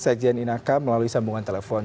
saya jian inaka melalui sambungan telepon